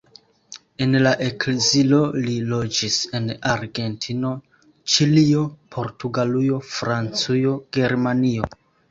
En la ekzilo, li loĝis en Argentino, Ĉilio, Portugalujo, Francujo, Germanio.